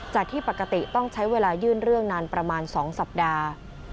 จากที่ปกติต้องใช้เวลายื่นเรื่องนานประมาณ๒สัปดาห์